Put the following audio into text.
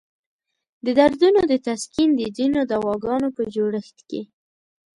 د دردونو د تسکین د ځینو دواګانو په جوړښت کې.